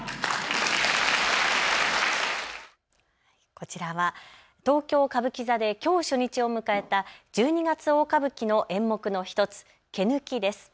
こちらは東京歌舞伎座できょう初日を迎えた十二月大歌舞伎の演目の１つ、毛抜きです。